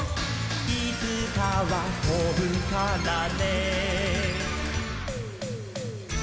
「いつかはとぶからね」